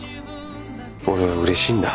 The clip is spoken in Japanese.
俺はうれしいんだ。